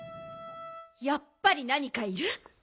やっぱりなにかいる？